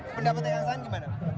pendapatnya yang saan gimana